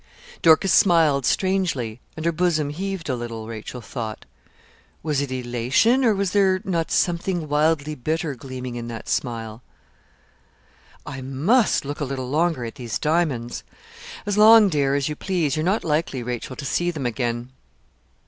Dorcas smiled strangely, and her bosom heaved a little, Rachel thought. Was it elation, or was there not something wildly bitter gleaming in that smile? 'I must look a little longer at these diamonds.' 'As long, dear, as you please. You are not likely, Rachel, to see them again.'